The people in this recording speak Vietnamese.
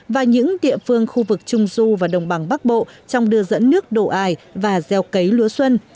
và những địa phương khu vực trung du và đồng bằng bắc bộ trong đưa dẫn nước đổ ải và gieo cấy lúa xuân